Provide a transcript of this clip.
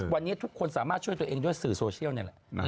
วันนี้ทุกคนสามารถช่วยตัวเองด้วยสื่อโซเชียลนี่แหละ